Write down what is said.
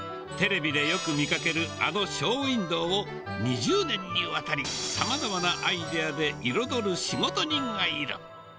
テレビでよく見かけるあのショーウインドーを、２０年にわたり、さまざまなアイデアで彩る仕事人がいる。